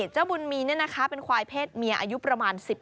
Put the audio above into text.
เจ้าบุญมีนี่นะคะเป็นควายเพศเมียอายุประมาณ๑๐ปี